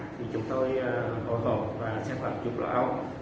thì chúng tôi ổn hộp và sẽ phát trục lo âu